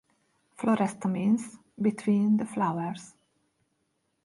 Floresta means "between the flowers".